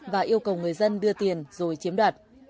và yêu cầu người dân đưa tiền rồi chiếm đoạt